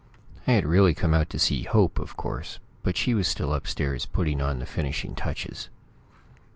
I had really come out to see Hope, of course, but she was still upstairs, putting on the finishing touches.